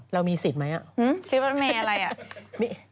เรามีสิทธิ์ไหมอะฮือซิลปั๊ดเมย์อะไรอะ